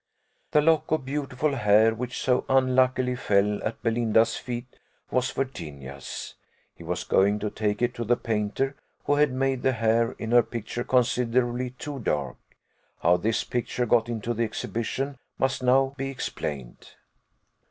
The lock of beautiful hair, which so unluckily fell at Belinda's feet, was Virginia's; he was going to take it to the painter, who had made the hair in her picture considerably too dark. How this picture got into the exhibition must now be explained.